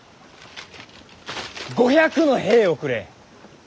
５００の兵をくれ。